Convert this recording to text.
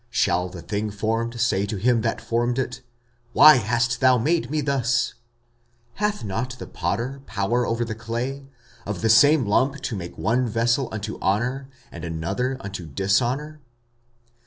Shall the thing formed say to him that formed it, Why hast thou made me thus? 45:009:021 Hath not the potter power over the clay, of the same lump to make one vessel unto honour, and another unto dishonour?